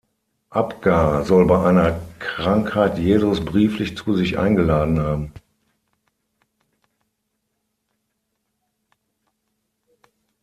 Abgar soll bei einer Krankheit Jesus brieflich zu sich eingeladen haben.